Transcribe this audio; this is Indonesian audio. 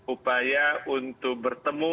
upaya untuk bertemu